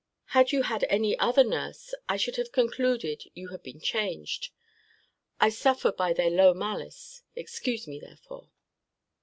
Had you had any other nurse, I should have concluded you had been changed. I suffer by their low malice excuse me, therefore.